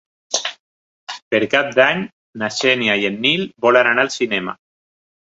Per Cap d'Any na Xènia i en Nil volen anar al cinema.